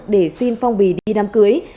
để xin phong bì đi đám cưới